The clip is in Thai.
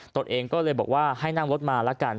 ตัวเองก็เลยบอกว่าให้นั่งรถมาแล้วกัน